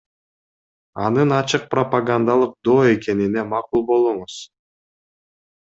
Анын ачык пропагандалык доо экенине макул болуңуз.